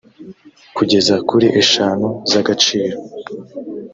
kugeza kuri eshanu z agaciro